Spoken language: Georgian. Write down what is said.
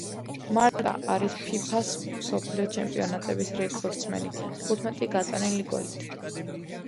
მარტა არის ფიფა-ს მსოფლიო ჩემპიონატების რეკორდსმენი თხუთმეტი გატანილი გოლით.